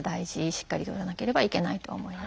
しっかりとらなければいけないと思います。